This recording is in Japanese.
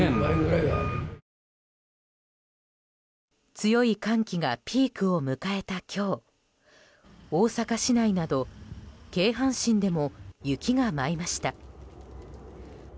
強い寒気がピークを迎えた今日大阪市内など京阪神でも雪が舞いました。